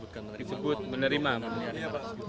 bapak disebutkan menerima pilihan